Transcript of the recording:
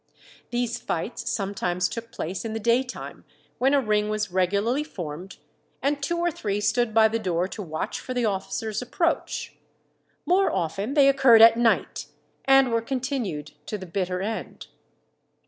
These fights sometimes took place in the daytime, when a ring was regularly formed, and two or three stood by the door to watch for the officer's approach. More often they occurred at night, and were continued to the bitter end.